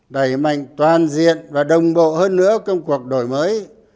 đẩy mạnh toàn diện và đồng bộ hơn nữa công cuộc đổi mới